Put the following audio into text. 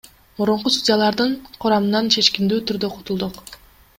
Мурунку судьялардын курамынан чечкиндүү түрдө кутулдук.